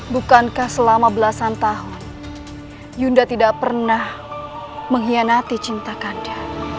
bukankah selama belasan tahun yunda tidak pernah mengkhianati cinta kanda